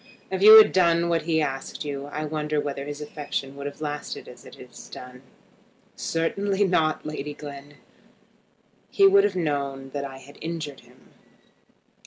If you had done what he asked you I wonder whether his affection would have lasted as it has done." "Certainly not, Lady Glen. He would have known that I had injured him."